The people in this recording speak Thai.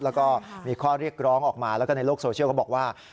แล้วก็มีข้อเรียกร้องออกมาแล้วก็ในโลกโซเชียลเขาบอกว่า